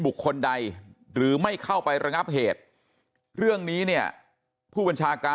บุคคลใดหรือไม่เข้าไประงับเหตุเรื่องนี้เนี่ยผู้บัญชาการ